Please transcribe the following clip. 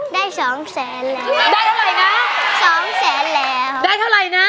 ได้๒แสนแล้ว